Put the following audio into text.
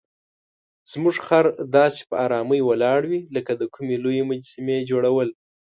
زموږ خر داسې په آرامۍ ولاړ وي لکه د کومې لویې مجسمې جوړول.